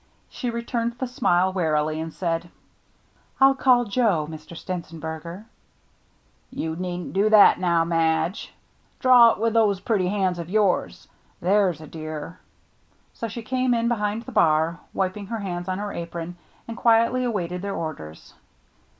She returned the smile, wearily, and said, " I'll call Joe, Mr. Stenzenberger." "You needn't do that now, Madge. Draw it with those pretty hands of yours, there's a dear." So she came in behind the bar, wiping her hands on her apron, and quietly awaited their orders.